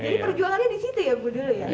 jadi perjuangannya disitu ya bu dulu ya